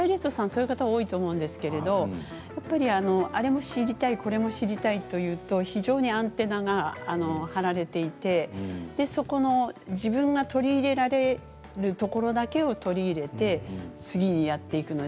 そういう方が多いと思うんですけれどやっぱり、あれも知りたいこれも知りたいというと非常にアンテナが張られていてそこの、自分が取り入れられるところだけを取り入れて、次やっていくの。